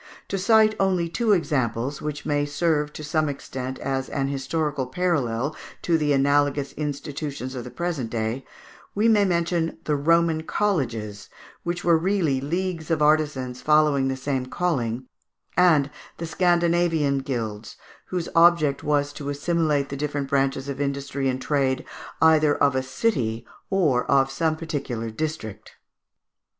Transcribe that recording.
To cite only two examples, which may serve to some extent as an historical parallel to the analogous institutions of the present day, we may mention the Roman Colleges, which were really leagues of artisans following the same calling; and the Scandinavian guilds, whose object was to assimilate the different branches of industry and trade, either of a city or of some particular district.